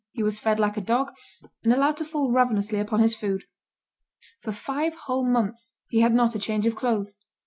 He was fed like a dog, and allowed to fall ravenously upon his food. For five whole months he had not a change of clothes.